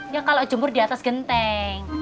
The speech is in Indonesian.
ya kalo jemur diatas genteng